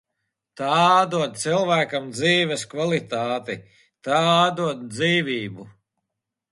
Tā atdod cilvēkam dzīves kvalitāti, tā atdod dzīvību.